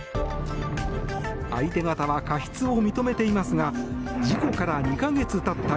相手方は過失を認めていますが事故から２か月たった